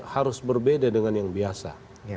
harus berbeda dengan yang biasa